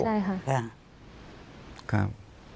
ใช่ครับ